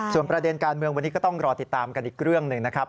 ส่วนประเด็นการเมืองวันนี้ก็ต้องรอติดตามกันอีกเรื่องหนึ่งนะครับ